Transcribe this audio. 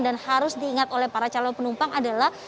dan harus diingat oleh para calon penumpang adalah